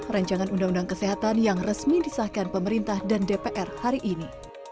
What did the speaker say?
rancangan undang undang kesehatan yang resmi disahkan pemerintah dan dpr hari ini